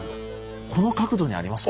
この角度にありますか？